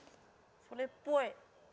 それっぽい。